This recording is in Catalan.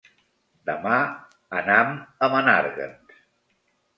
Demà anam a Menàrguens.